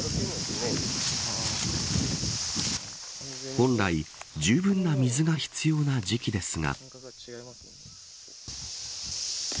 本来、じゅうぶんな水が必要な時期ですが。